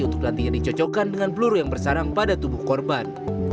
untuk nantinya dicocokkan dengan peluru yang bersarang pada tubuh korban